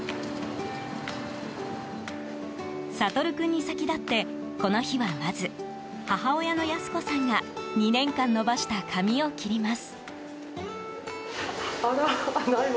惺君に先立ってこの日は、まず母親の康子さんが２年間伸ばした髪を切ります。